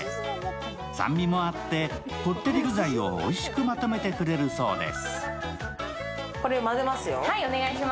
酸味もあって、こってり具材をおいしくまとめてくれるそうです。